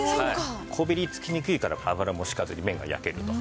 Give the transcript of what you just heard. こびりつきにくいから油も引かずに麺が焼けると。